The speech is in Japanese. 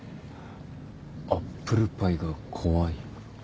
アップルパイが怖い。